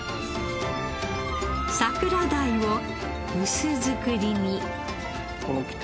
桜鯛を薄造りに。